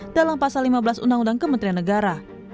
dalam pasal lima belas undang undang kementerian negara